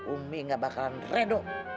umi gak bakalan redo